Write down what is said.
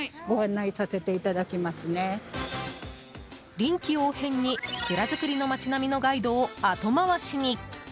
臨機応変に蔵造りの町並みのガイドを後回しに。